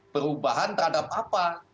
perubahan terhadap apa